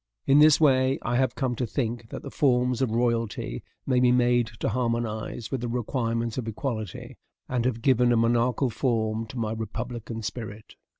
In this way, I have come to think that the forms of royalty may be made to harmonize with the requirements of equality, and have given a monarchical form to my republican spirit.